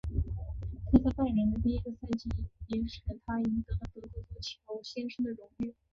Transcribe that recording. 他在拜仁的第一个赛季也使他赢得了德国足球先生的荣誉。